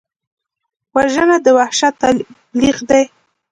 وژنه د وحشت تبلیغ دی